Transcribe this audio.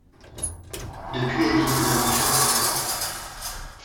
Depuis elles vivent des aventures avec eux.